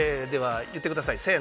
では言ってください。